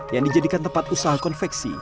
yang dijadikan tempat usaha konveksi